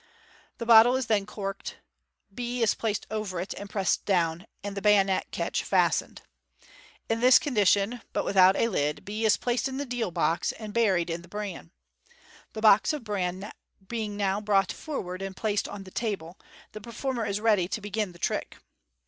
The bottle is then corked j B is placed over it and pressed down, ani the bayonet catch fastened. In this con dition, but without a lid, B is placed in the deal box, and buried in the bran. The box of bran being now brought forward and placed on the table, the performer is ready to begin the trick.